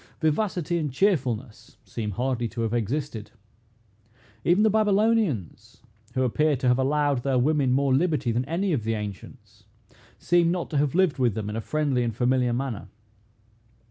Vivacity and cheerfulness seem hardly to have existed. Even the Babylonians, who appear to have allowed their women more liberty than any of the ancients, seem not to have lived with them in a friendly and familiar manner.